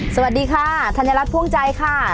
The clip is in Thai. สวัสดีค่ะธัญรัฐพ่วงใจค่ะ